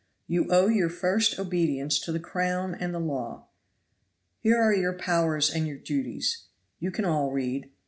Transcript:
You owe your first obedience to the crown and the law. Here are your powers and your duties; you can all read.